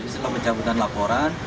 setelah pencabutan laporan